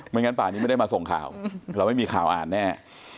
งั้นป่านี้ไม่ได้มาส่งข่าวเราไม่มีข่าวอ่านแน่